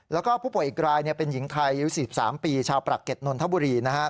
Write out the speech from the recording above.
แล้วก็ผู้ป่วยอีกรายเป็นหญิงไทยอายุ๔๓ปีชาวปรักเก็ตนนทบุรี